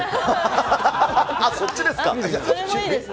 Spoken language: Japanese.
そっちですか。